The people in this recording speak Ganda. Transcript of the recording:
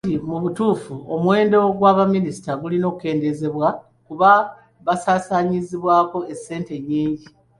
Ategeezezza nti mu butuufu omuwendo gwa baminisita gulina okukendeezebwako kuba basaasaanyizibwako ssente nnyingi.